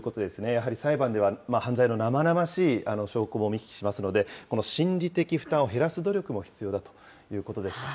やはり裁判では犯罪の生々しい証拠も見聞きしますので、この心理的負担を減らす努力も必要だということでした。